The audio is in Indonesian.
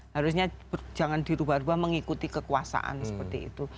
harusnya jangan dirubah rubah mengikuti kekuasaan seperti itu